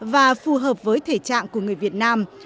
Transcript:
và phù hợp với thể trạng của người việt nam